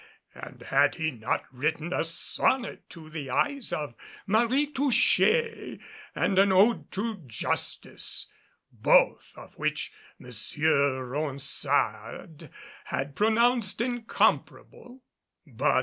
And had he not written a sonnet to the eyes of Marie Touchet and an ode to "Justice," both of which M. Ronsard had pronounced incomparable?